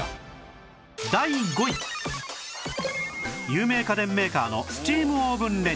有名家電メーカーのスチームオーブンレンジ